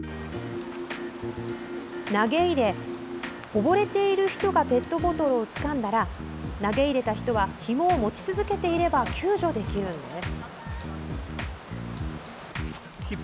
投げ入れて、溺れている人がペットボトルをつかんだら投げ入れた人はひもを持ち続けていれば救助できるんです。